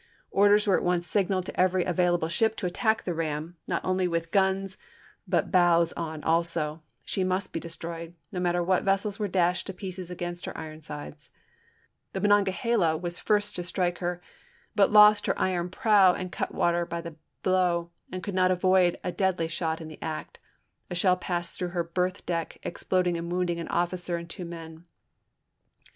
Orders were at once signaled to every avail able ship to attack the ram, not only with guns but bows on also; she must be destroyed, no matter what vessels were dashed to pieces against her iron sides. The Monongahela was first to strike her but lost her iron prow and cutwater Drayton to Farragut, Report 236 ABRAHAM LINCOLN chap. x. by the blow, and could not avoid a deadly shot in the act; a shell passed through her berth deck, exploding and wounding an officer and two men.